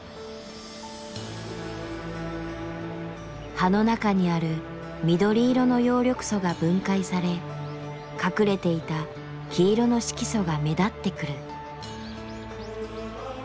葉の中にある緑色の葉緑素が分解され隠れていた黄色の色素が目立ってくる。